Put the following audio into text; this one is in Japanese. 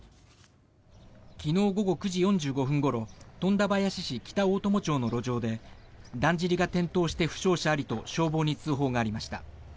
昨日午後９時４５分ごろ富田林市北大伴町の路上でだんじりが転倒して負傷者ありと消防に通報がありました。